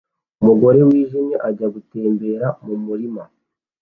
Umugore wijimye ajya gutembera mumurima